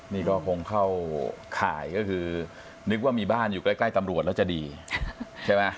นี่ก็คงเข้าข่ายก็คือนึกว่ามีบ้านอยู่ใกล้ตำรวจแล้วจะดีใช่ไหม